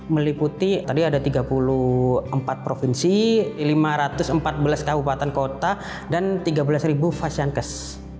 meliputi tadi ada tiga puluh empat provinsi lima ratus empat belas kabupaten kota dan tiga belas pasien kes